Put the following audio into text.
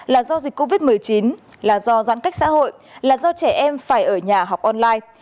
là do dịch covid một mươi chín là do giãn cách xã hội là do trẻ em phải ở nhà học online